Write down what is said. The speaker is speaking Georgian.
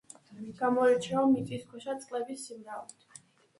გამოირჩევა მიწისქვეშა წყლების სიმრავლით.